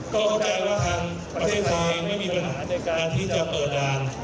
ก็เข้าใจว่าทางประเทศไทยไม่มีปัญหาในการที่จะเปิดด่าน